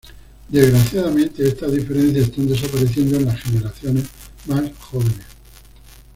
Desgraciadamente, estas diferencias están desapareciendo en las generaciones más jóvenes.